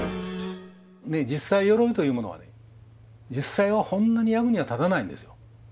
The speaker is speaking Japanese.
実際鎧というものはね実際はそんなに役には立たないんですよ。